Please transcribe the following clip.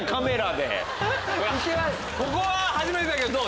ここは初めてだけどどう？